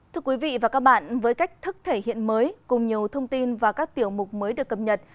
thưa quý vị và các bạn với cách thức thể hiện mới cùng nhiều thông tin và các tiểu mục mới được cập nhật